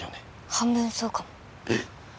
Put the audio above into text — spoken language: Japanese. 半分そうかもえっ！？